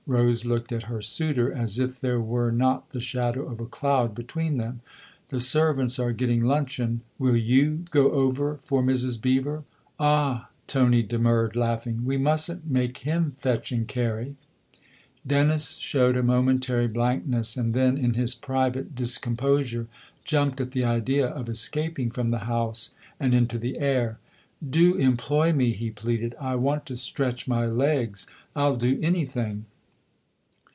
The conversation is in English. Rose looked at her suitor as if there were not the shadow of a cloud between them. " The servants are getting luncheon. Will you go over for Mrs. Beever ?" "Ah," Tony demurred, laughing, "we mustn't make him fetch and carry !" Dennis showed a momentary blankness and then, in his private discomposure, jumped at the idea of escaping from the house and into the air. " Do employ me," he pleaded. " I want to stretch my legs I'll do anything."